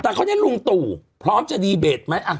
แต่เขาเนี่ยลุงตู่พร้อมจะดีเบตไหม